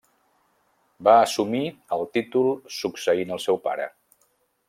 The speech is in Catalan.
Va assumir el títol succeint al seu pare.